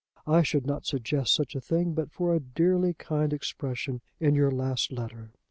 I should not suggest such a thing but for a dearly kind expression in your last letter.